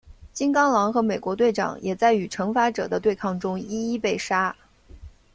金刚狼和美国队长也在与惩罚者的对抗中一一被杀。